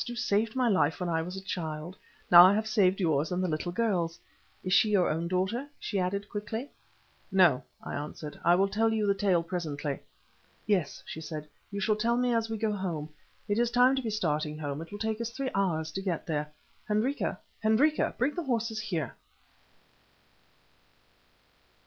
"You saved my life when I was a child; now I have saved yours and the little girl's. Is she your own daughter?" she added, quickly. "No," I answered; "I will tell you the tale presently." "Yes," she said, "you shall tell me as we go home. It is time to be starting home, it will take us three hours to get there. Hendrika, Hendrika, bring the horses here!"